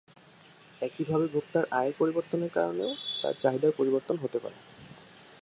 একই ভাবে ভোক্তার আয়ের পরিবর্তনের কারণেও তার চাহিদার পরিবর্তন হতে পারে।